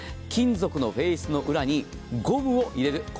金属のフェースの裏にゴムを入れる。